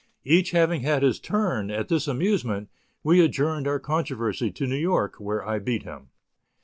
Each having had his turn at this amusement, we adjourned our controversy to New York where I beat him.